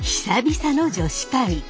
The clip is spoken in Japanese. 久々の女子会。